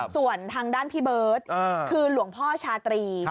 ส่วนทางด้านพี่เบิร์ตคือหลวงพ่อชาตรี